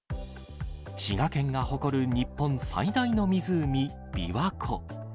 滋賀県が誇る日本最大の湖、琵琶湖。